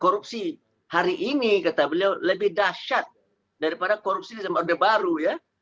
korupsi hari ini kata beliau lebih dahsyat daripada korupsi di zaman orde baru ya